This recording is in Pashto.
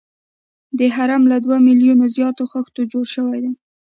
دا هرم له دوه میلیونه زیاتو خښتو جوړ شوی دی.